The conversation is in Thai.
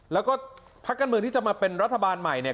แล้วก็พักการเมืองที่จะมาเป็นรัฐบาลใหม่เนี่ย